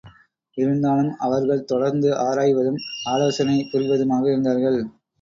இருந்தாலும் அவர்கள் தொடர்ந்து ஆராய்வதும் ஆலோசனை புரிவதுமாக இருந்தார்கள்.